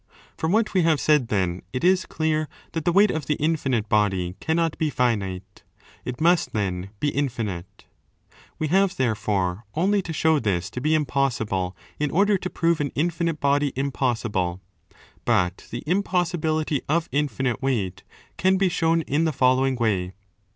From what we have said, then, it is clear that the weight of the infinite body cannot be finite. It must then be, infinite. We have therefore only to show this to be im possible in order to prove an infinite body impossible. But 30 the impossibility of infinite weight can be shown in the following way.